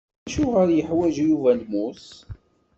Acuɣer i yeḥwaǧ Yuba lmus?